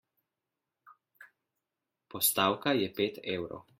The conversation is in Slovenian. Postavka je pet evrov.